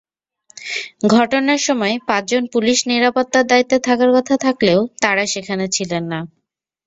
ঘটনার সময় পাঁচজন পুলিশ নিরাপত্তার দায়িত্বে থাকার কথা থাকলেও তাঁরা সেখানে ছিলেন না।